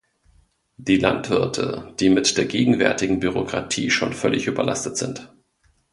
Die Landwirte, die mit der gegenwärtigen Bürokratie schon völlig überlastet sind.